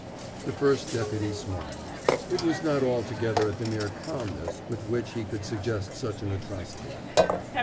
The First Deputy smiled. It was not altogether at the mere calmness with which she could suggest such an atrocity.